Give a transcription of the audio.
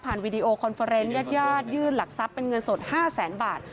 วีดีโอคอนเฟอร์เนสญาติยื่นหลักทรัพย์เป็นเงินสด๕แสนบาท